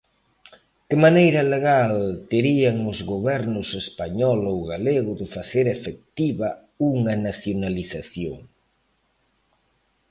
Que maneira legal terían os Gobernos español ou galego de facer efectiva unha nacionalización?